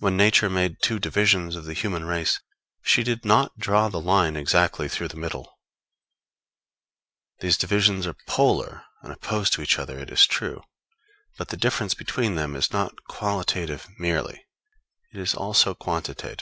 When Nature made two divisions of the human race, she did not draw the line exactly through the middle. These divisions are polar and opposed to each other, it is true; but the difference between them is not qualitative merely, it is also quantitative.